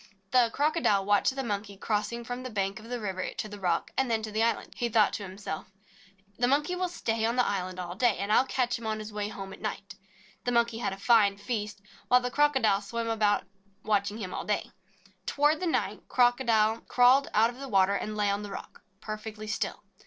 The Crocodile watched the Monkey crossing from the bank of the river to the rock, and then to the island. He thought to himself, "The Monkey will stay on the island all day, and I '11 catch him on his way home at night." The Monkey had a fine feast, while the Crocodile swam about, watching him all day. Toward night the Crocodile crawled out of the water and lay on the rock, perfectly still.